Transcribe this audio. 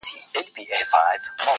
سکون مي ناکراره کي خیالونه تښتوي٫